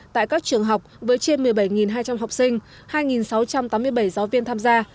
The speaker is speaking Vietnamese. tại các trường học với trên một mươi bảy hai trăm linh học sinh hai sáu trăm tám mươi bảy giáo viên tham gia